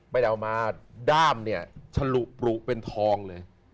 ไปเอามาด้ามเนี่ยฉลุปลุเป็นทองเลย